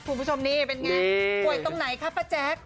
คุณผู้ชมนี่เป็นไงป่วยตรงไหนคะป้าแจ๊ค